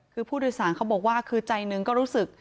คือผู้โดยสารเขาบอกว่าคือใจหนึ่งก็รู้สึก